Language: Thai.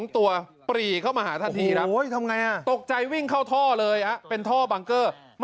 ตกใจวิ่งเข้าท่อเลยครับเป็นท่อบังเกอร์